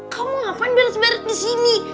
kamu ngapain beres beres disini